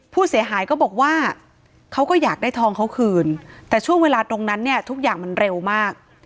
ผู้เสียหายก็บอกว่าเขาก็อยากได้ทองเขาคืนแต่ช่วงเวลาตรงนั้นเนี่ยทุกอย่างมันเร็วมาก